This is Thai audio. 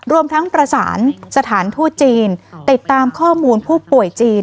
รวมทั้งประสานสถานทูตจีนติดตามข้อมูลผู้ป่วยจีน